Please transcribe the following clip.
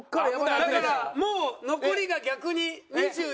だからもう残りが逆に２１万。